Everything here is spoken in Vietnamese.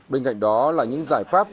bên cạnh đó là những giải pháp